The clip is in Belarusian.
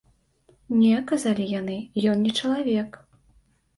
Не, казалі яны, ён не чалавек.